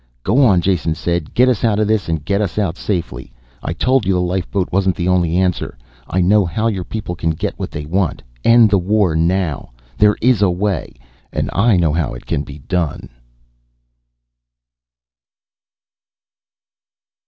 "Go on," Jason said. "Get us out of this, and get us out safely. I told you the lifeboat wasn't the only answer. I know how your people can get what they want end the war now. There is a way, and I know how it can be done."